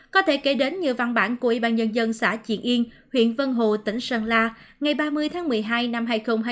có thể kể đến như văn bản của ybnd xã triện yên huyện vân hồ tỉnh sơn la ngày ba mươi tháng một mươi hai năm hai nghìn hai mươi một